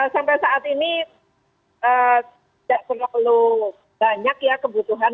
sampai saat ini tidak terlalu banyak ya kebutuhan